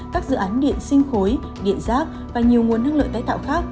các dự án điện sinh khối điện rác và nhiều nguồn năng lượng tái tạo khác